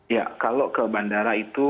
ya kalau ke bandara itu